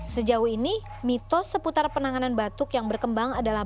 sejauh ini mitos seputar penanganan batuk yang berkembang adalah